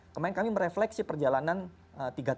kemarin kami merefleksi perjalanan tiga tahun